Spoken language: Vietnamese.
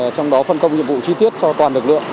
trong đó phân công nhiệm vụ chi tiết cho toàn lực lượng